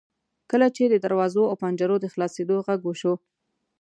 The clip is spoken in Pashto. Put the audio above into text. کله چې د دروازو او پنجرو د خلاصیدو غږ وشو.